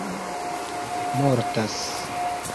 mortas